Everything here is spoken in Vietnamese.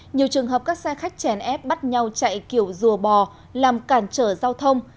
nhiều trường hợp các xe khách chèn ép bắt nhau chạy kiểu rùa bò làm cản trở giao thông